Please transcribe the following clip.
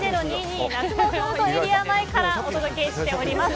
夏のフードエリア前からお届けしております。